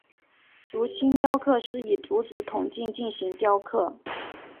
竹青雕刻是以竹子筒茎进行雕刻。